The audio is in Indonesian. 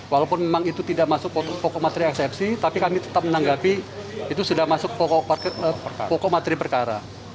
walaupun memang itu tidak masuk pokok materi eksepsi tapi kami tetap menanggapi itu sudah masuk pokok materi perkara